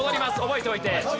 覚えておいて。